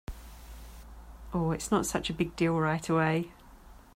Oh, it’s not such a big deal right away.